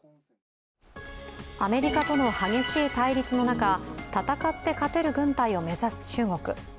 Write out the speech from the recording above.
アメリカとの激しい対立の中、戦って勝てる軍隊を目指す中国。